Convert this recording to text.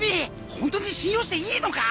ホントに信用していいのか？